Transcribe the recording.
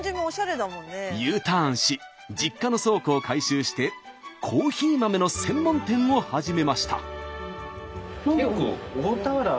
Ｕターンし実家の倉庫を改修してコーヒー豆の専門店を始めました。